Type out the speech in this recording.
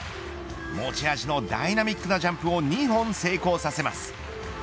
持ち味のダイナミックなジャンプを２本成功させます。